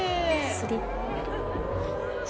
スリット。